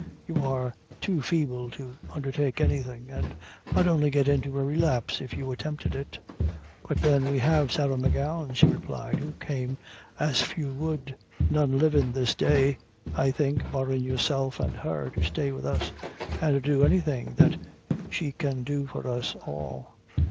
You are too feeble to undertake anything, and might only get into a relapse if you attempted it." "But, then we have Sarah M'Gowan," she replied, "who came, as few would none livin' this day, I think, barrin' yourself and her to stay with us, and to do anything that she can do for us all.